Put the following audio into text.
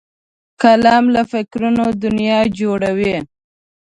قلم له فکرونو دنیا جوړوي